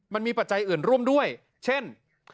ปัจจัยอื่นร่วมด้วยเช่น